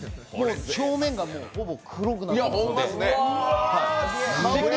表面がほぼ黒くなっています。